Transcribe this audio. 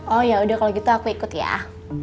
oh ya udah kalo gitu aku ikut ya